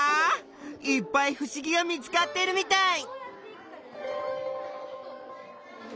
いっぱいふしぎが見つかってるみたい！